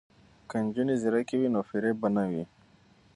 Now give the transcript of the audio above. که نجونې ځیرکې وي نو فریب به نه وي.